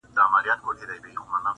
د لاحاصله څو خوبونو په بېوپار خفه یم